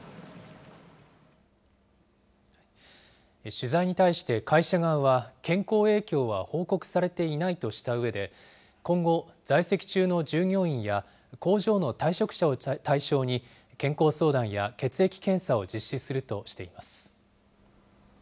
取材に対して会社側は、健康影響は報告されていないとしたうえで、今後、在籍中の従業員や工場の退職者を対象に健康相談や血液検査を実施するとしています。